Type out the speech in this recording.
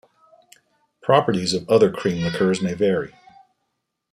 Properties of other cream liqueurs may vary.